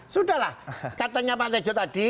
sudahlah katanya pak tejo tadi